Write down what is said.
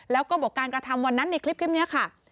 แล้วก็บอกการกระทำวันนั้นในคลิปนี้ค่ะ